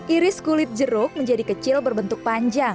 iris kulit jeruk menjadi kecil berbentuk panjang